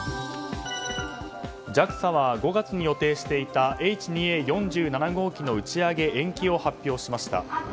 ＪＡＸＡは５月に予定していたＨ２Ａ４７号機の打ち上げ延期を発表しました。